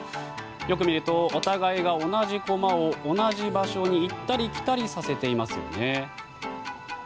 よく見るとお互いが同じ駒を同じ場所に行ったり来たりさせていますね。